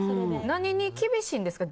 何に厳しいんですか？